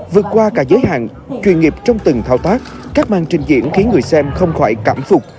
vượt qua cả giới hạn chuyên nghiệp trong từng thao tác các màn trình diễn khiến người xem không khỏi cảm phục